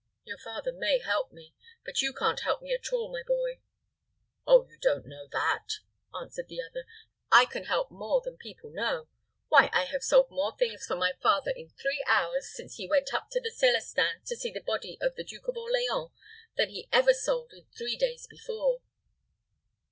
Your father may help me; but you can't help at all, my boy." "Oh, you don't know that," answered the other. "I can help more than people know. Why, I have sold more things for my father in three hours, since he went up to the Celestins to see the body of the Duke of Orleans, than he ever sold in three days before."